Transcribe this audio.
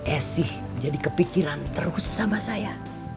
esih jadi kepikiran terus sama saya